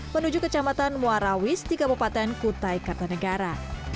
menuju kecamatan muarawis di kabupaten kutai kartanegara